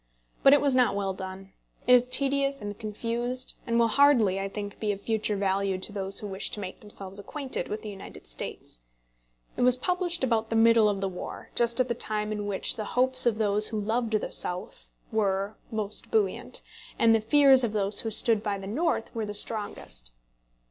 But it was not well done. It is tedious and confused, and will hardly, I think, be of future value to those who wish to make themselves acquainted with the United States. It was published about the middle of the war, just at the time in which the hopes of those who loved the South were most buoyant, and the fears of those who stood by the North were the strongest.